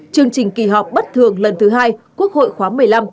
chương trình kỳ họp bất thường lần thứ hai quốc hội khóa một mươi năm